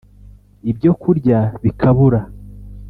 ibyo kurya bikabura